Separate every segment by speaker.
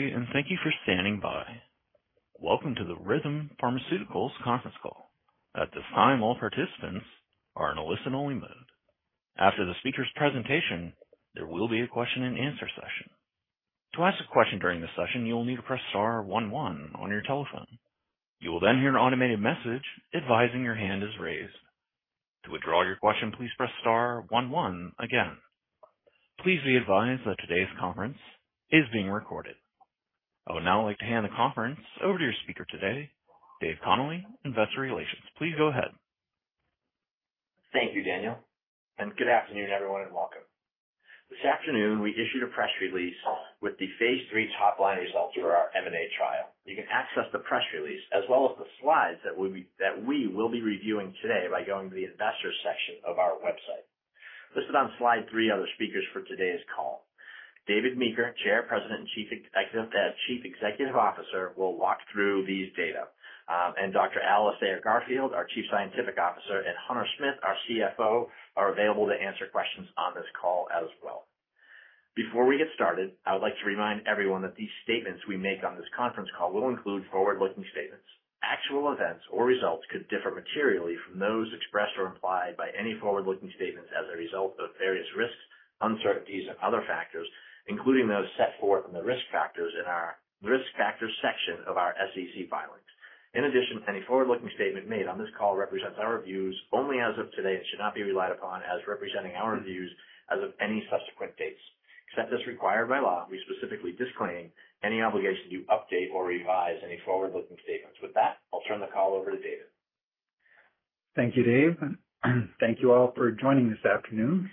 Speaker 1: Day, thank you for standing by. Welcome to the Rhythm Pharmaceuticals Conference Call. At this time, all participants are in a listen-only mode. After the speaker's presentation, there will be a question-and-answer session. To ask a question during this session, you will need to press star one one on your telephone. You will then hear an automated message advising your hand is raised. To withdraw your question, please press star one one again. Please be advised that today's conference is being recorded. I would now like to hand the conference over to your speaker today, Dave Connolly, investor relations. Please go ahead.
Speaker 2: Thank you, Daniel, and good afternoon, everyone, and welcome. This afternoon we issued a press release with the phase III top-line results for our EMANATE trial. You can access the press release as well as the slides that we will be reviewing today by going to the Investors section of our website. Listed on slide three are the speakers for today's call. David Meeker, Chair, President, and Chief Executive Officer, will walk through these data. Dr. Alastair Garfield, our Chief Scientific Officer, and Hunter Smith, our CFO, are available to answer questions on this call as well. Before we get started, I would like to remind everyone that these statements we make on this conference call will include forward-looking statements. Actual events or results could differ materially from those expressed or implied by any forward-looking statements as a result of various risks, uncertainties, and other factors, including those set forth in the risk factors in our risk factors section of our SEC filings. In addition, any forward-looking statement made on this call represents our views only as of today and should not be relied upon as representing our views as of any subsequent date. Except as required by law, we specifically disclaim any obligation to update or revise any forward-looking statements. With that, I'll turn the call over to David.
Speaker 3: Thank you, Dave. Thank you all for joining this afternoon.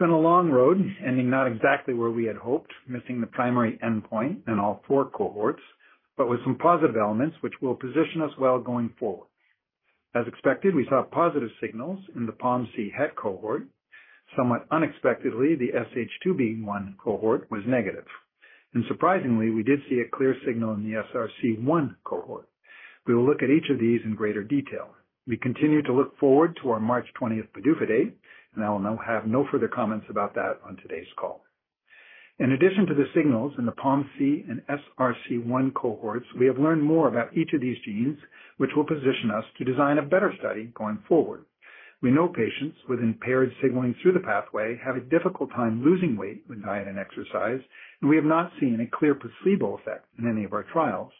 Speaker 3: It's been a long road, ending not exactly where we had hoped, missing the primary endpoint in all four cohorts, but with some positive elements which will position us well going forward. As expected, we saw positive signals in the POMC HET cohort. Somewhat unexpectedly, the SH2B1 cohort was negative. Surprisingly, we did see a clear signal in the SRC1 cohort. We will look at each of these in greater detail. We continue to look forward to our March 20 PDUFA date, and I will now have no further comments about that on today's call. In addition to the signals in the POMC and SRC1 cohorts, we have learned more about each of these genes, which will position us to design a better study going forward. We know patients with impaired signaling through the pathway have a difficult time losing weight with diet and exercise, and we have not seen a clear placebo effect in any of our trials.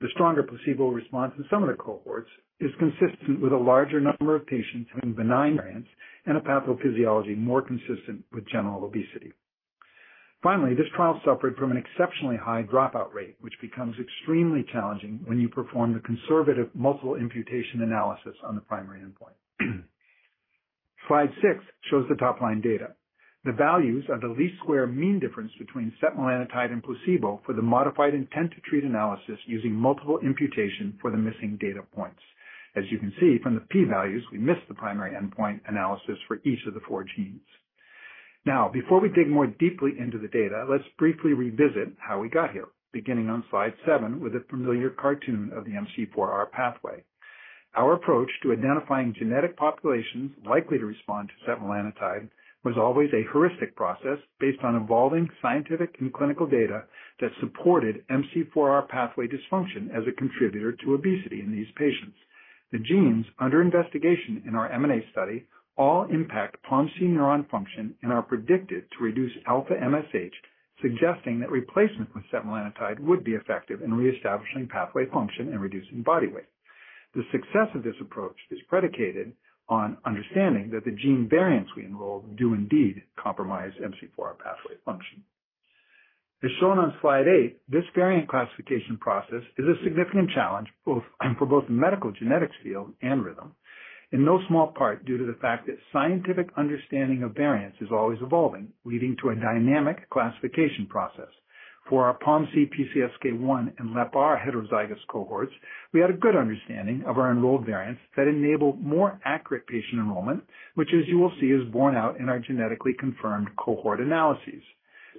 Speaker 3: The stronger placebo response in some of the cohorts is consistent with a larger number of patients having benign variants and a pathophysiology more consistent with general obesity. Finally, this trial suffered from an exceptionally high dropout rate, which becomes extremely challenging when you perform the conservative multiple imputation analysis on the primary endpoint. Slide six shows the top-line data. The values are the least squares mean difference between setmelanotide and placebo for the modified intent-to-treat analysis using multiple imputation for the missing data points. As you can see from the P-values, we missed the primary endpoint analysis for each of the four genes. Now, before we dig more deeply into the data, let's briefly revisit how we got here, beginning on slide seven with a familiar cartoon of the MC4R pathway. Our approach to identifying genetic populations likely to respond to setmelanotide was always a heuristic process based on evolving scientific and clinical data that supported MC4R pathway dysfunction as a contributor to obesity in these patients. The genes under investigation in our EMANATE study all impact POMC neuron function and are predicted to reduce alpha-MSH, suggesting that replacement with setmelanotide would be effective in reestablishing pathway function and reducing body weight. The success of this approach is predicated on understanding that the gene variants we enrolled do indeed compromise MC4R pathway function. As shown on slide eight, this variant classification process is a significant challenge for both the medical genetics field and Rhythm, in no small part due to the fact that scientific understanding of variants is always evolving, leading to a dynamic classification process. For our POMC, PCSK1 and LEPR HETerozygous cohorts, we had a good understanding of our enrolled variants that enabled more accurate patient enrollment, which, as you will see, is borne out in our genetically confirmed cohort analyses.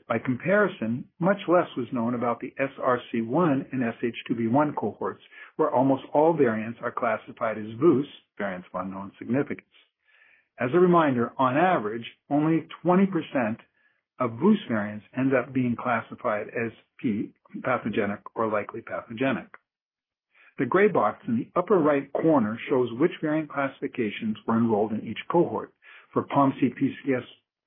Speaker 3: By comparison, much less was known about the SRC1 and SH2B1 cohorts, where almost all variants are classified as VUS, variants of unknown significance. As a reminder, on average, only 20% of VUS variants end up being classified as pathogenic or likely pathogenic. The gray box in the upper right corner shows which variant classifications were enrolled in each cohort. For POMC,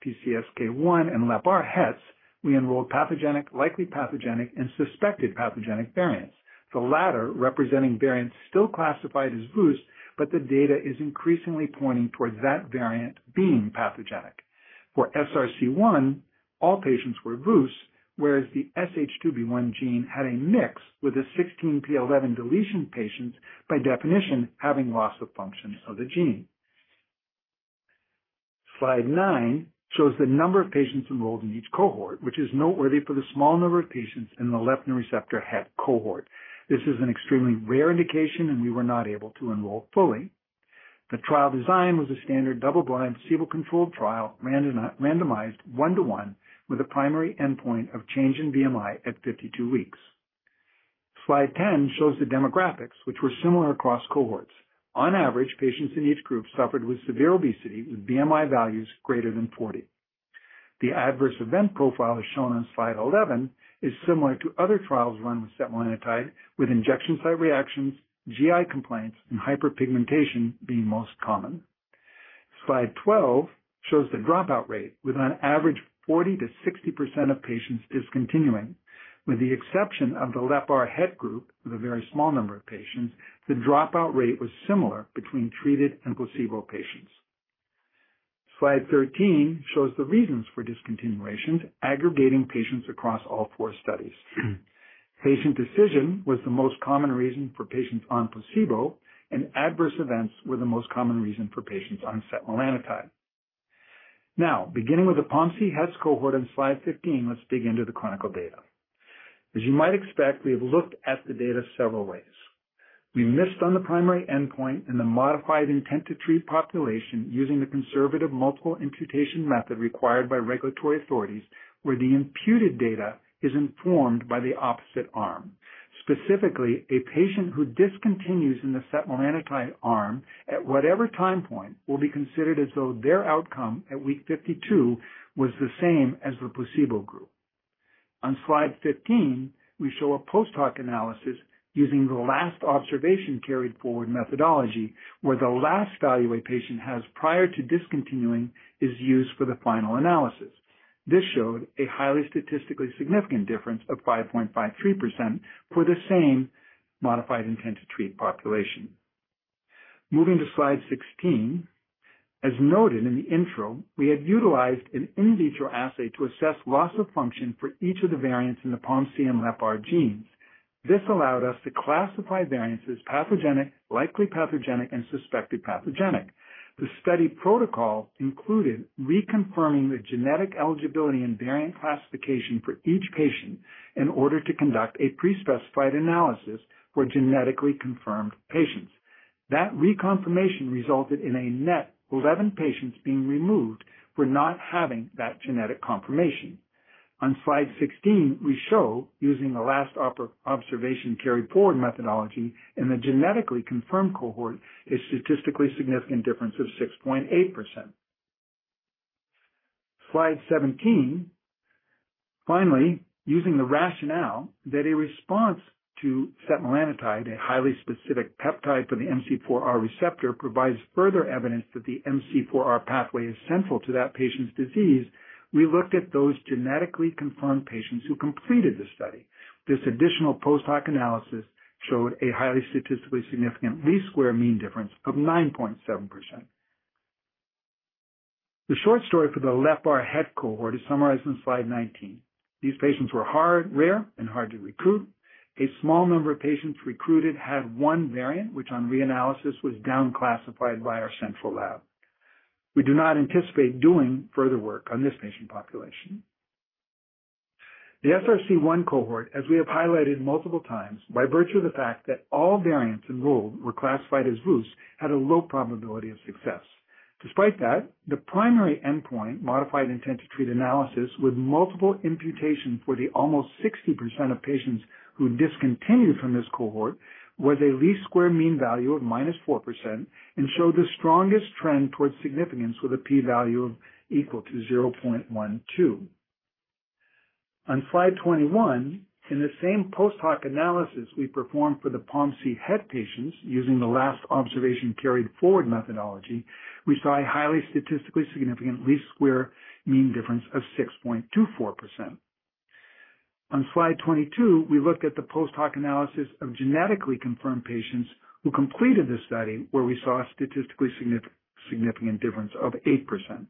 Speaker 3: PCSK1, and LEPR HETs, we enrolled pathogenic, likely pathogenic, and suspected pathogenic variants. The latter representing variants still classified as VUS, but the data is increasingly pointing towards that variant being pathogenic. For SRC1, all patients were VUS, whereas the SH2B1 gene had a mix with the 16p11.2 deletion patients, by definition, having loss of function of the gene. Slide nine shows the number of patients enrolled in each cohort, which is noteworthy for the small number of patients in the leptin receptor het cohort. This is an extremely rare indication, and we were not able to enroll fully. The trial design was a standard double-blind, placebo-controlled trial randomized one-to-one with a primary endpoint of change in BMI at 52 weeks. Slide 10 shows the demographics which were similar across cohorts. On average, patients in each group suffered with severe obesity with BMI values greater than 40. The adverse event profile, as shown on slide 11, is similar to other trials run with setmelanotide, with injection site reactions, GI complaints, and hyperpigmentation being most common. Slide 12 shows the dropout rate with on average 40%-60% of patients discontinuing. With the exception of the LEPR HET group, with a very small number of patients, the dropout rate was similar between treated and placebo patients. Slide 13 shows the reasons for discontinuation, aggregating patients across all four studies. Patient decision was the most common reason for patients on placebo, and adverse events were the most common reason for patients on setmelanotide. Now, beginning with the POMC HET cohort on slide 15, let's dig into the clinical data. As you might expect, we have looked at the data several ways. We missed on the primary endpoint in the modified intent-to-treat population using the conservative multiple imputation method required by regulatory authorities, where the imputed data is informed by the opposite arm. Specifically, a patient who discontinues in the setmelanotide arm, at whatever time point, will be considered as though their outcome at week 52 was the same as the placebo group. On slide 15, we show a post-hoc analysis using the last observation carried forward methodology, where the last value a patient has prior to discontinuing is used for the final analysis. This showed a highly statistically significant difference of 5.53% for the same modified intent-to-treat population. Moving to slide 16. As noted in the intro, we had utilized an in vitro assay to assess loss of function for each of the variants in the POMC and LEPR genes. This allowed us to classify variants pathogenic, likely pathogenic, and suspected pathogenic. The study protocol included reconfirming the genetic eligibility and variant classification for each patient in order to conduct a pre-specified analysis for genetically confirmed patients. That reconfirmation resulted in a net 11 patients being removed for not having that genetic confirmation. On slide 16, we show, using the last observation carried forward methodology in the genetically confirmed cohort, a statistically significant difference of 6.8%. Slide 17. Finally, using the rationale that a response to setmelanotide, a highly specific peptide for the MC4R receptor, provides further evidence that the MC4R pathway is central to that patient's disease, we looked at those genetically confirmed patients who completed the study. This additional post-hoc analysis showed a highly statistically significant least square mean difference of 9.7%. The short story for the LEPR HET cohort is summarized on slide 19. These patients were hard, rare and hard to recruit. A small number of patients recruited had one variant which on reanalysis was down-classified by our central lab. We do not anticipate doing further work on this patient population. The SRC1 cohort, as we have highlighted multiple times, by virtue of the fact that all variants enrolled were classified as loose, had a low probability of success. Despite that, the primary endpoint modified intent-to-treat analysis with multiple imputation for the almost 60% of patients who discontinued from this cohort, was a least square mean value of -4% and showed the strongest trend towards significance with a P-value of equal to 0.12. On slide 21, in the same post-hoc analysis we performed for the POMC HET patients using the last observation carried forward methodology, we saw a highly statistically significant least square mean difference of 6.24%. On slide 22, we looked at the post-hoc analysis of genetically confirmed patients who completed this study, where we saw a statistically significant difference of 8%.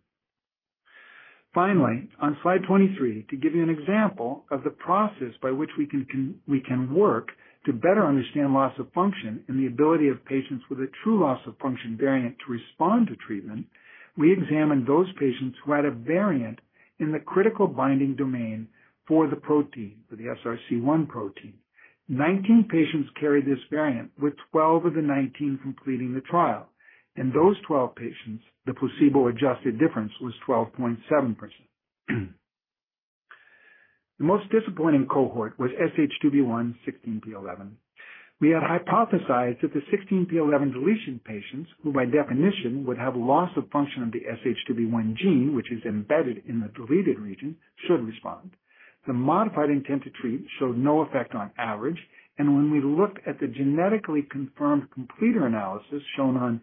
Speaker 3: Finally, on slide 23, to give you an example of the process by which we can work to better understand loss of function and the ability of patients with a true loss of function variant to respond to treatment, we examined those patients who had a variant in the critical binding domain for the protein, for the SRC1 protein. 19 patients carry this variant, with 12 of the 19 completing the trial. In those 12 patients, the placebo-adjusted difference was 12.7%. The most disappointing cohort was SH2B1 16p11.2. We had hypothesized that the 16p11.2 deletion patients, who by definition would have loss of function of the SH2B1 gene which is embedded in the deleted region, should respond. The modified intent-to-treat showed no effect on average, and when we looked at the genetically confirmed completer analysis shown on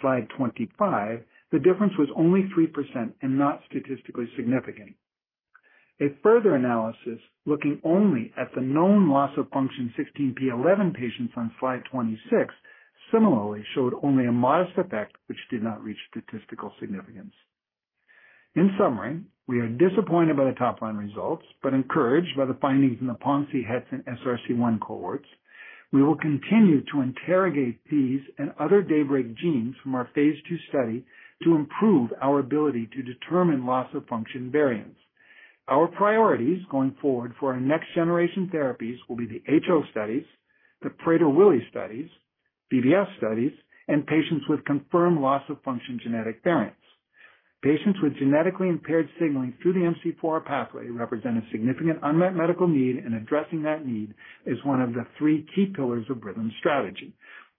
Speaker 3: slide 25, the difference was only 3% and not statistically significant. A further analysis looking only at the known loss of function 16p11.2 patients on slide 26 similarly showed only a modest effect which did not reach statistical significance. In summary, we are disappointed by the top line results, but encouraged by the findings in the POMC HET and SRC1 cohorts. We will continue to interrogate these and other Daybreak genes from our phase II study to improve our ability to determine loss of function variants. Our priorities going forward for our next generation therapies will be the HO studies, the Prader-Willi studies, BBS studies, and patients with confirmed loss of function genetic variants. Patients with genetically impaired signaling through the MC4R pathway represent a significant unmet medical need, and addressing that need is one of the three key pillars of Rhythm's strategy.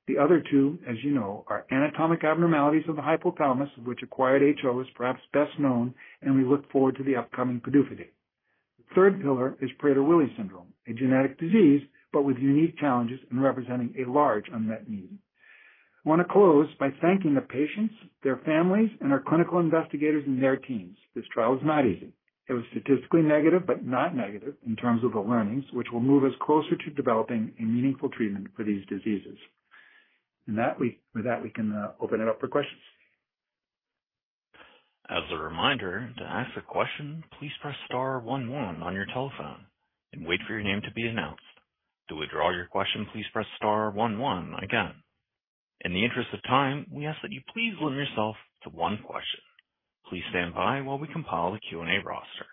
Speaker 3: The other two, as you know, are anatomic abnormalities of the hypothalamus, of which acquired HO is perhaps best known, and we look forward to the upcoming PDUFA date. The third pillar is Prader-Willi syndrome, a genetic disease but with unique challenges and representing a large unmet need. I wanna close by thanking the patients, their families, and our clinical investigators and their teams. This trial was not easy. It was statistically negative but not negative in terms of the learnings, which will move us closer to developing a meaningful treatment for these diseases. With that, we can open it up for questions.
Speaker 1: As a reminder, to ask a question, please press star one one on your telephone and wait for your name to be announced. To withdraw your question, please press star one one again. In the interest of time, we ask that you please limit yourself to one question. Please stand by while we compile a Q&A roster.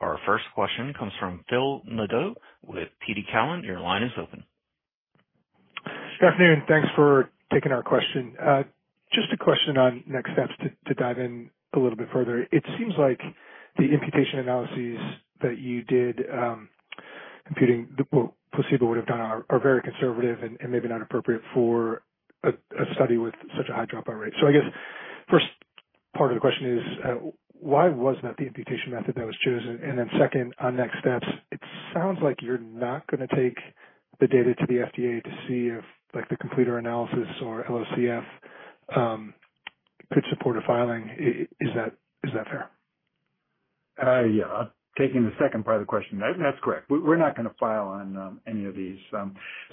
Speaker 1: Our first question comes from Phil Nadeau with TD Cowen. Your line is open.
Speaker 4: Good afternoon. Thanks for taking our question. Just a question on next steps to dive in a little bit further. It seems like the imputation analyses that you did, computing the placebo would have done are very conservative and maybe not appropriate for a study with such a high dropout rate. I guess first part of the question is, why was that the imputation method that was chosen? Then second, on next steps, it sounds like you're not gonna take the data to the FDA to see if like the completer analysis or LOCF could support a filing. Is that fair?
Speaker 3: Yeah. Taking the second part of the question. That's correct. We're not gonna file on any of these. So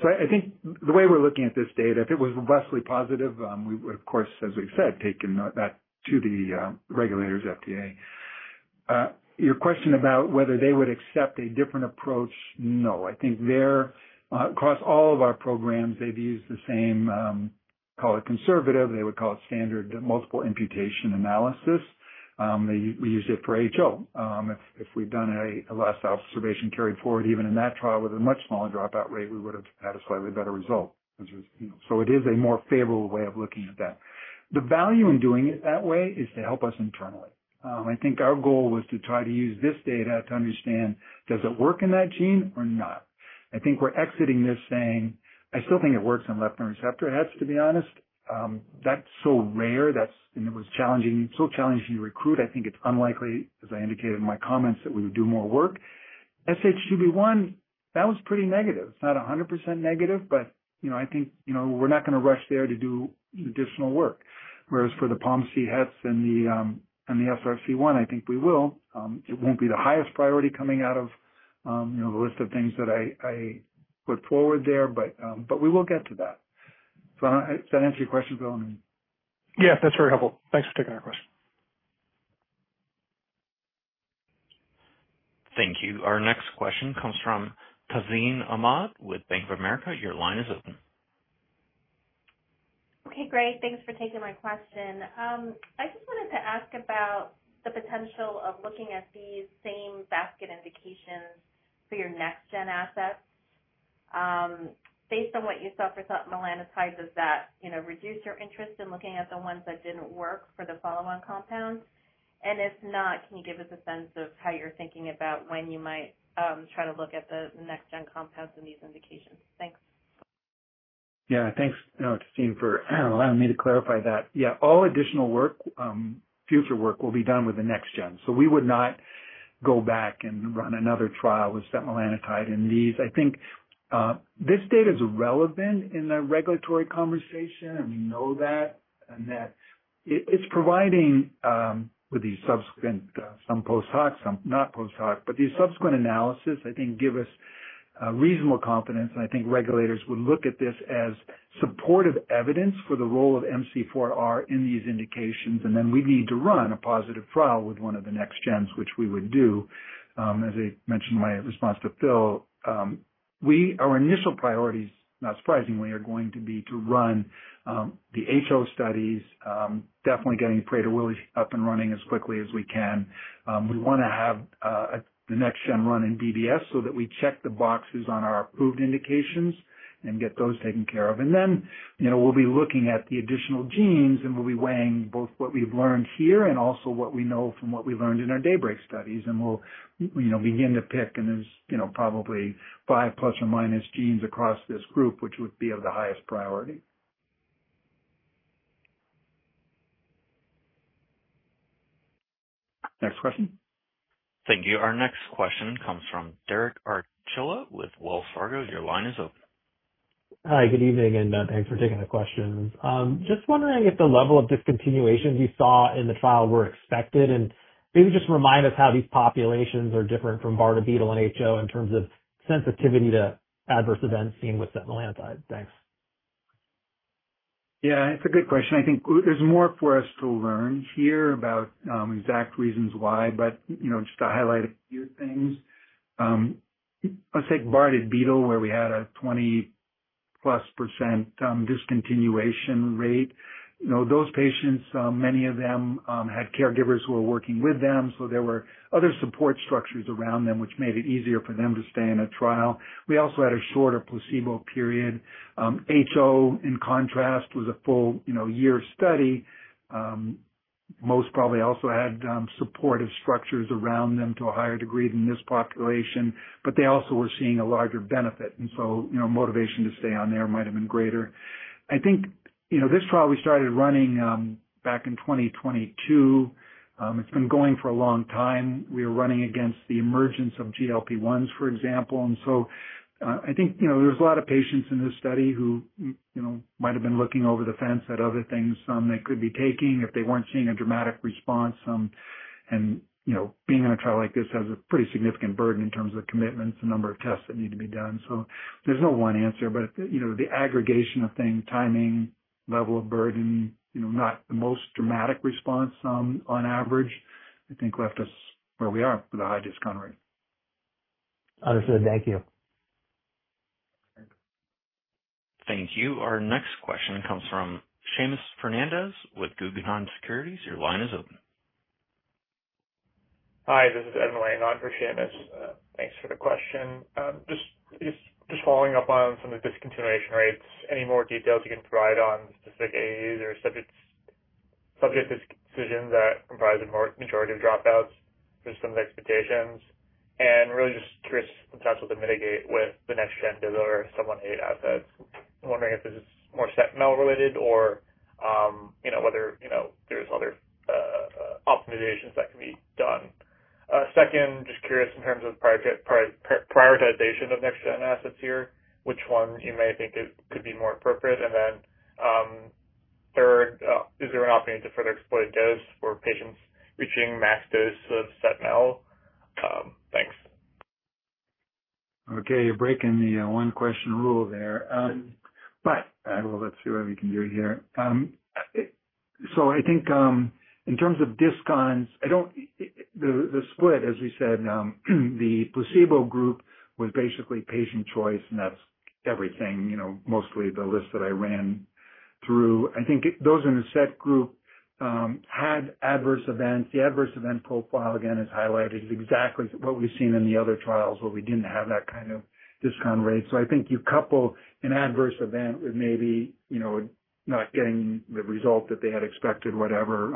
Speaker 3: I think the way we're looking at this data, if it was vastly positive, we would, of course, as we've said, taken that to the regulators, FDA. Your question about whether they would accept a different approach, no. I think they're across all of our programs, they've used the same, call it conservative, they would call it standard multiple imputation analysis. We used it for HO. If we'd done a last observation carried forward, even in that trial with a much smaller dropout rate, we would've had a slightly better result, which was, you know. It is a more favorable way of looking at that. The value in doing it that way is to help us internally. I think our goal was to try to use this data to understand does it work in that gene or not? I think we're exiting this saying, I still think it works on leptin receptor HETs, to be honest. That's so rare. That was challenging to recruit. I think it's unlikely, as I indicated in my comments, that we would do more work. SH2B1, that was pretty negative. It's not 100% negative, but you know, I think, you know, we're not gonna rush there to do additional work. Whereas for the POMC HETs and the SRC1, I think we will. It won't be the highest priority coming out of you know, the list of things that I put forward there. We will get to that. Does that answer your question, Phil?
Speaker 4: Yeah. That's very helpful. Thanks for taking our question.
Speaker 1: Thank you. Our next question comes from Tazeen Ahmad with Bank of America. Your line is open.
Speaker 5: Okay, great. Thanks for taking my question. I just wanted to ask about the potential of looking at these same basket indications for your next gen assets. Based on what you saw for setmelanotide, does that, you know, reduce your interest in looking at the ones that didn't work for the follow on compounds? If not, can you give us a sense of how you're thinking about when you might try to look at the next gen compounds in these indications? Thanks.
Speaker 3: Yeah. Thanks, you know, Tazeen for allowing me to clarify that. Yeah, all additional work, future work will be done with the next gen. We would not go back and run another trial with setmelanotide in these. I think this data is relevant in the regulatory conversation, and we know that, and that it's providing with these subsequent, some post-hoc, some not post-hoc. These subsequent analysis, I think, give us reasonable confidence. I think regulators would look at this as supportive evidence for the role of MC4R in these indications. Then we'd need to run a positive trial with one of the next gens, which we would do. As I mentioned in my response to Phil, our initial priorities, not surprisingly, are going to be to run the HO studies. Definitely getting Prader-Willi up and running as quickly as we can. We wanna have the next gen run in DBS so that we check the boxes on our approved indications and get those taken care of. You know, we'll be looking at the additional genes, and we'll be weighing both what we've learned here and also what we know from what we learned in our daybreak studies. We'll, you know, begin to pick. There's, you know, probably five plus or minus genes across this group, which would be of the highest priority. Next question.
Speaker 1: Thank you. Our next question comes from Derek Archila with Wells Fargo. Your line is open.
Speaker 6: Hi, good evening, and thanks for taking the questions. Just wondering if the level of discontinuations you saw in the trial were expected. Maybe just remind us how these populations are different from Bardet-Biedl and HO in terms of sensitivity to adverse events seen with setmelanotide. Thanks.
Speaker 3: Yeah, it's a good question. I think there's more for us to learn here about exact reasons why, but you know, just to highlight a few things. Let's take Bardet-Biedl, where we had a 20%+ discontinuation rate. You know, those patients, many of them, had caregivers who were working with them, so there were other support structures around them, which made it easier for them to stay in a trial. We also had a shorter placebo period. HO, in contrast, was a full, you know, year study. Most probably also had supportive structures around them to a higher degree than this population, but they also were seeing a larger benefit. You know, motivation to stay on there might have been greater. I think you know, this trial we started running back in 2022. It's been going for a long time. We are running against the emergence of GLP-1s, for example. I think, you know, there's a lot of patients in this study who, you know, might have been looking over the fence at other things, some they could be taking if they weren't seeing a dramatic response, some. You know, being in a trial like this has a pretty significant burden in terms of commitments, the number of tests that need to be done. There's no one answer but, you know, the aggregation of things, timing, level of burden, you know, not the most dramatic response, on average, I think left us where we are with a high discount rate.
Speaker 6: Understood. Thank you.
Speaker 3: Okay.
Speaker 1: Thank you. Our next question comes from Seamus Fernandez with Guggenheim Securities. Your line is open.
Speaker 7: Hi, this is Evan Lang on for Seamus. Thanks for the question. Just following up on some of the discontinuation rates. Any more details you can provide on specific AEs or subject decisions that comprise a more majority of dropouts versus some of the expectations? Really just curious sometimes what to mitigate with the next gen bivamelagon or RM-718 assets. I'm wondering if this is more setmelanotide related or, you know, whether, you know, there's other optimizations that can be done. Second, just curious in terms of prioritization of next gen assets here, which ones you may think could be more appropriate? Then, third, is there an opportunity to further exploit dose for patients reaching max dose with setmelanotide? Thanks.
Speaker 3: Okay. You're breaking the one question rule there. I will. Let's see what we can do here. I think in terms of discontinuations. The split, as we said, the placebo group was basically patient choice, and that's everything, you know, mostly the list that I ran through. I think those in the setmelanotide group had adverse events. The adverse event profile, again, is highlighted exactly what we've seen in the other trials where we didn't have that kind of discontinuation rate. I think you couple an adverse event with maybe, you know, not getting the result that they had expected, whatever.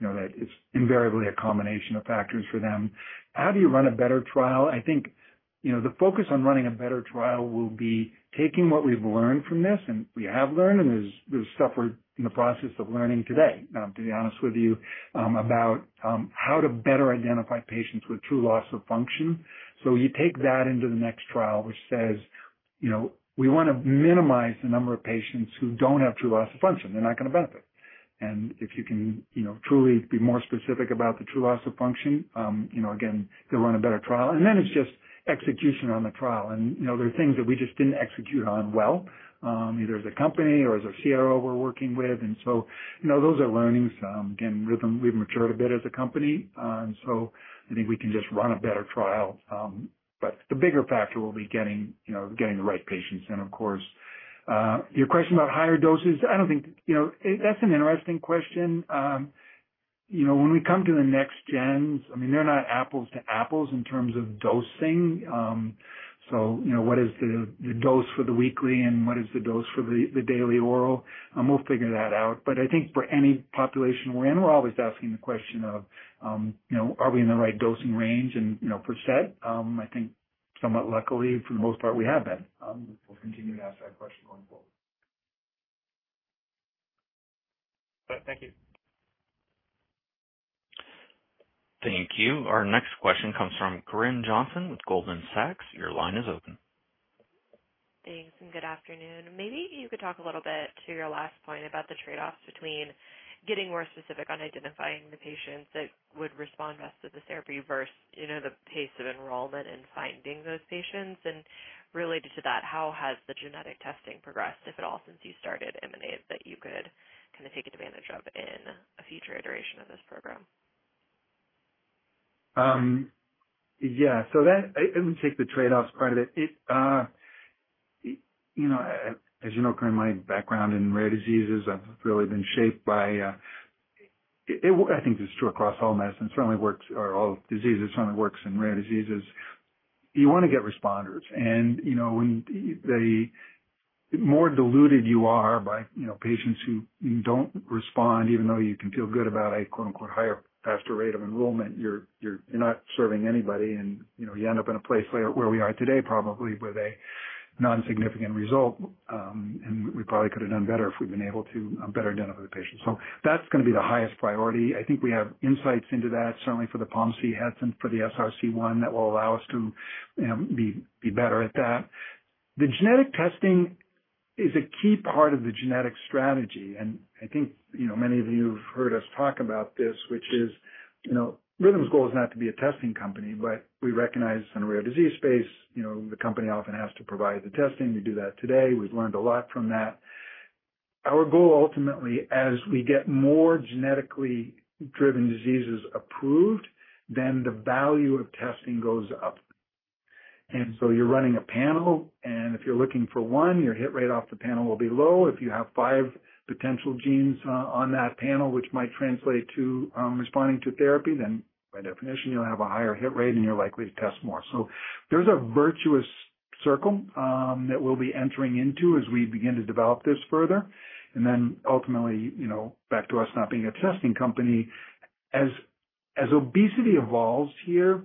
Speaker 3: You know, that is invariably a combination of factors for them. How do you run a better trial? I think, you know, the focus on running a better trial will be taking what we've learned from this, and we have learned, there's stuff we're in the process of learning today, to be honest with you, about how to better identify patients with true loss of function. You take that into the next trial, which says, you know, we wanna minimize the number of patients who don't have true loss of function. They're not gonna benefit. If you can, you know, truly be more specific about the true loss of function, you know, again, to run a better trial. Then it's just execution on the trial. You know, there are things that we just didn't execute on well, either as a company or as a CRO we're working with. You know, those are learnings. Again, Rhythm, we've matured a bit as a company. I think we can just run a better trial. The bigger factor will be getting you know the right patients in, of course. Your question about higher doses, I don't think. You know, that's an interesting question. You know, when we come to the next gens, I mean, they're not apples to apples in terms of dosing. So, you know, what is the dose for the weekly and what is the dose for the daily oral? We'll figure that out. I think for any population we're in, we're always asking the question of you know are we in the right dosing range? You know, for set, I think somewhat luckily for the most part, we have been. We'll continue to ask that question going forward.
Speaker 7: All right. Thank you.
Speaker 1: Thank you. Our next question comes from Corinne Johnson with Goldman Sachs. Your line is open.
Speaker 8: Thanks, and good afternoon. Maybe you could talk a little bit to your last point about the trade-offs between getting more specific on identifying the patients that would respond best to the therapy versus, you know, the pace of enrollment and finding those patients. Related to that, how has the genetic testing progressed, if at all, since you started MNA, that you could kind of take advantage of in a future iteration of this program?
Speaker 3: I'm gonna take the trade-offs part of it. You know, as you know, Corinne, my background in rare diseases have really been shaped by. I think this is true across all medicine, certainly works, or all diseases, certainly works in rare diseases. You wanna get responders. You know, the more diluted you are by, you know, patients who don't respond, even though you can feel good about a quote-unquote higher, faster rate of enrollment, you're not serving anybody. You know, you end up in a place where we are today, probably with a non-significant result. We probably could have done better if we'd been able to better identify the patient. That's gonna be the highest priority. I think we have insights into that, certainly for the POMC HETs and for the SRC1 that will allow us to, you know, be better at that. The genetic testing is a key part of the genetic strategy, and I think, you know, many of you have heard us talk about this, which is, you know, Rhythm's goal is not to be a testing company, but we recognize in the rare disease space, you know, the company often has to provide the testing. We do that today. We've learned a lot from that. Our goal ultimately, as we get more genetically driven diseases approved, then the value of testing goes up. You're running a panel, and if you're looking for one, your hit rate off the panel will be low. If you have five potential genes on that panel, which might translate to responding to therapy, then by definition you'll have a higher hit rate and you're likely to test more. There's a virtuous circle that we'll be entering into as we begin to develop this further. Ultimately, you know, back to us not being a testing company. As obesity evolves here,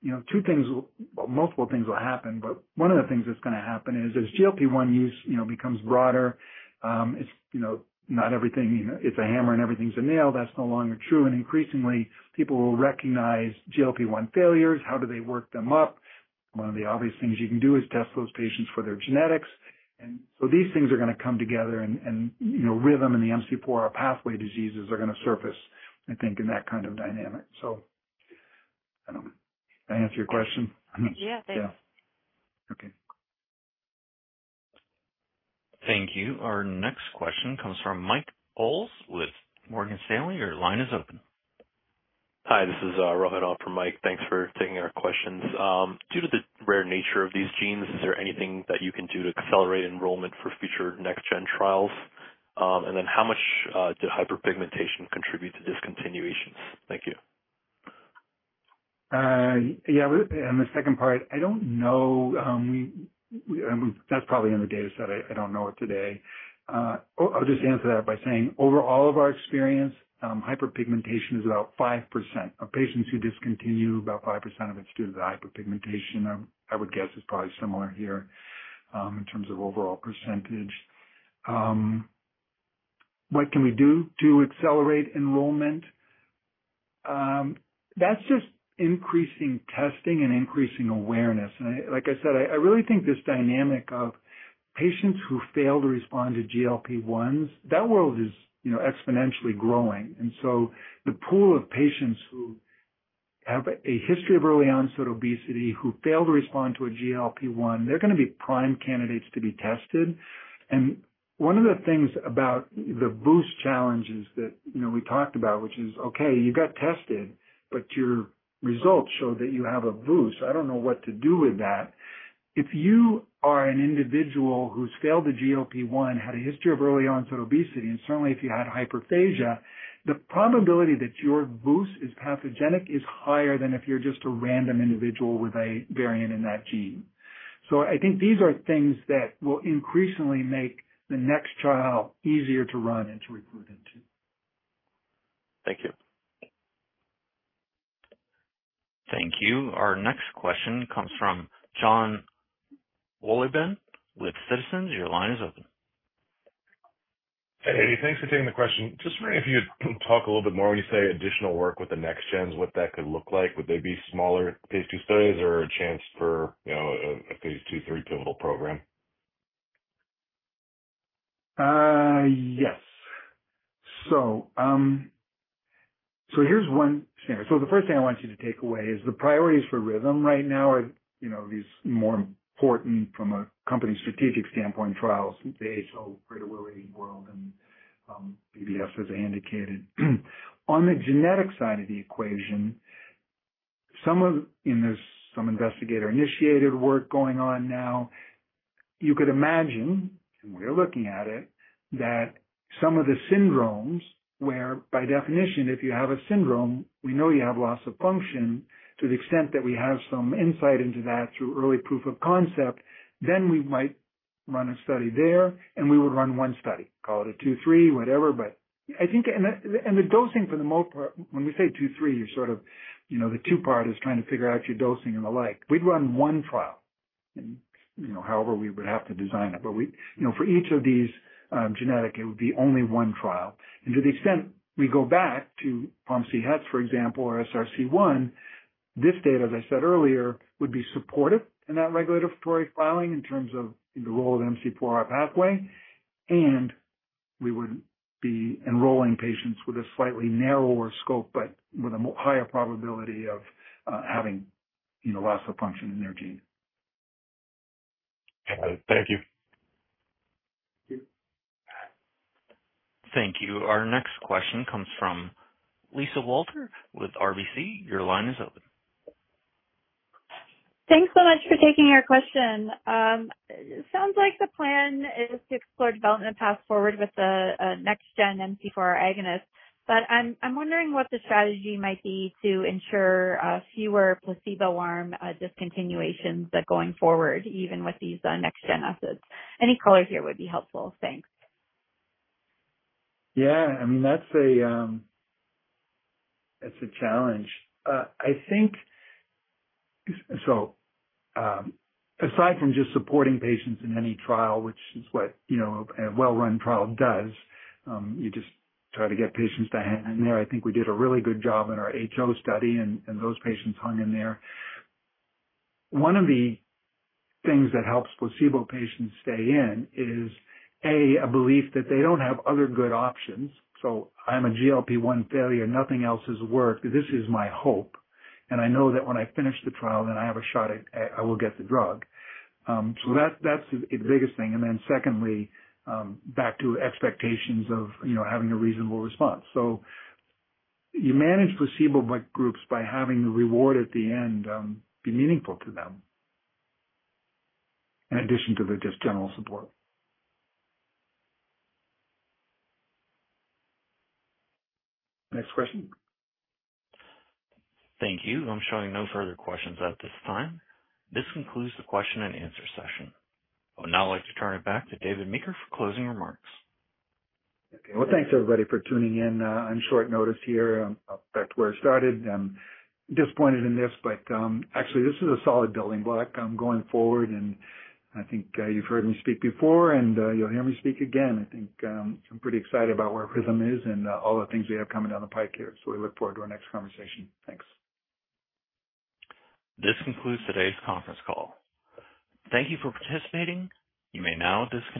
Speaker 3: you know, Well, multiple things will happen, but one of the things that's gonna happen is as GLP-1 use, you know, becomes broader, it's, you know, not everything. You know, it's a hammer and everything's a nail, that's no longer true. Increasingly people will recognize GLP-1 failures. How do they work them up? One of the obvious things you can do is test those patients for their genetics. These things are gonna come together and you know, Rhythm and the MC4R pathway diseases are gonna surface, I think, in that kind of dynamic. I don't know. Did I answer your question?
Speaker 8: Yeah. Thanks.
Speaker 3: Yeah. Okay.
Speaker 1: Thank you. Our next question comes from Mike Bowles with Morgan Stanley. Your line is open.
Speaker 9: Hi, this is Rohan for Mike. Thanks for taking our questions. Due to the rare nature of these genes, is there anything that you can do to accelerate enrollment for future next gen trials? How much did hyperpigmentation contribute to discontinuations? Thank you.
Speaker 3: Yeah. On the second part, I don't know. I mean, that's probably in the data set. I don't know it today. I'll just answer that by saying, overall of our experience, hyperpigmentation is about 5%. Of patients who discontinue, about 5% of it's due to the hyperpigmentation. I would guess it's probably similar here, in terms of overall percentage. What can we do to accelerate enrollment? That's just increasing testing and increasing awareness. I, like I said, really think this dynamic of patients who fail to respond to GLP-1s, that world is, you know, exponentially growing. The pool of patients who have a history of early onset obesity who fail to respond to a GLP-1, they're gonna be prime candidates to be tested. One of the things about the VUS challenges that, you know, we talked about, which is, okay, you got tested, but your results show that you have a VUS, I don't know what to do with that. If you are an individual who's failed a GLP-1, had a history of early onset obesity, and certainly if you had hyperphagia, the probability that your VUS is pathogenic is higher than if you're just a random individual with a variant in that gene. I think these are things that will increasingly make the next trial easier to run and to recruit into.
Speaker 9: Thank you.
Speaker 1: Thank you. Our next question comes from Jon Wolleben with Citizens. Your line is open.
Speaker 10: Hey, thanks for taking the question. Just wondering if you'd talk a little bit more when you say additional work with the next gens, what that could look like. Would they be smaller phase II studies or a chance for, you know, a phase II, III pivotal program?
Speaker 3: Yes. Here's one scenario. The first thing I want you to take away is the priorities for Rhythm right now are, you know, these more important from a company strategic standpoint, trials, the HO, RM-718 world, and BBS as indicated. On the genetic side of the equation, there's some investigator initiated work going on now. You could imagine, and we're looking at it, that some of the syndromes where by definition if you have a syndrome, we know you have loss of function to the extent that we have some insight into that through early proof of concept, then we might run a study there and we would run one study. Call it a two-three, whatever. I think... The dosing for the most part, when we say two-three, you sort of, you know, the two part is trying to figure out your dosing and the like. We'd run one trial and, you know, however we would have to design it. We, you know, for each of these, genetic, it would be only one trial. To the extent we go back to POMC HETs, for example, or SRC1, this data, as I said earlier, would be supportive in that regulatory filing in terms of, you know, the role of MC4R pathway, and we would be enrolling patients with a slightly narrower scope, but with a higher probability of, having, you know, loss of function in their gene.
Speaker 10: Got it. Thank you.
Speaker 3: Thank you.
Speaker 1: Thank you. Our next question comes from Lisa Walter with RBC. Your line is open.
Speaker 11: Thanks so much for taking our question. Sounds like the plan is to explore development path forward with the next gen MC4R agonist, but I'm wondering what the strategy might be to ensure fewer placebo arm discontinuations going forward, even with these next gen assets. Any color here would be helpful. Thanks.
Speaker 3: Yeah. I mean, that's a challenge. I think so, aside from just supporting patients in any trial, which is what, you know, a well-run trial does, you just try to get patients to hang in there. I think we did a really good job in our HO study and those patients hung in there. One of the things that helps placebo patients stay in is A, a belief that they don't have other good options. I'm a GLP-1 failure, nothing else has worked, this is my hope, and I know that when I finish the trial, then I have a shot at I will get the drug. That's the biggest thing. Secondly, back to expectations of, you know, having a reasonable response. You manage placebo by groups, by having the reward at the end, be meaningful to them. In addition to the just general support. Next question.
Speaker 1: Thank you. I'm showing no further questions at this time. This concludes the question and answer session. I would now like to turn it back to David Meeker for closing remarks.
Speaker 3: Okay. Well, thanks everybody for tuning in on short notice here. Back to where I started. I'm disappointed in this, but actually this is a solid building block going forward. I think you've heard me speak before and you'll hear me speak again, I think. I'm pretty excited about where Rhythm is and all the things we have coming down the pike here. We look forward to our next conversation. Thanks.
Speaker 1: This concludes today's conference call. Thank you for participating. You may now disconnect.